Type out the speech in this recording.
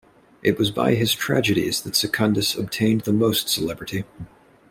It was by his tragedies that Secundus obtained the most celebrity.